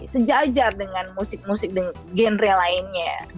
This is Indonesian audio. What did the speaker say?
sejajar dengan musik musik genre lainnya